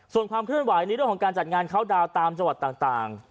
ส่วนความเคลื่อนไหวในเรื่องของการจัดงานเข้าดาวน์ตามจังหวัดต่าง